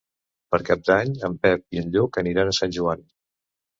Per Cap d'Any en Pep i en Lluc aniran a Sant Joan.